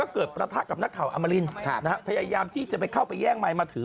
เกิดประทะกับนักข่าวอมรินพยายามที่จะไปเข้าไปแย่งไมค์มาถือ